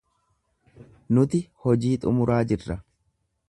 Nuti hojii xumuraa jirra.